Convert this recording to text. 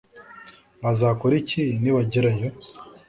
Bazakora iki nibagerayo